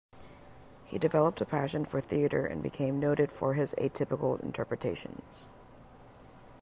He developed a passion for theater and became noted for his atypical interpretations.